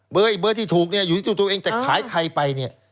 เบอร์ที่ถูกเนี่ยอยู่ที่ตัวเองแต่ขายใครไปเนี่ย